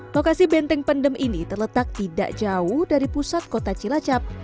lokasi benteng pendem ini terletak tidak jauh dari pusat kota cilacap